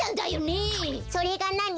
それがなに？